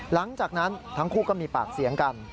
หลังจากนั้นทั้งคู่ก็มีปากเสียงกัน